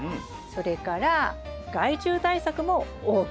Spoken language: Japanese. それから害虫対策もＯＫ。